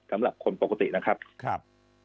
สำหรับคนปกตินะครับ